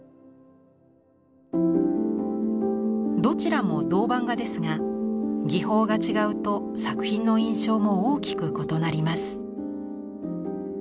どちらも銅版画ですが技法が違うと作品の印象も大きく異なります。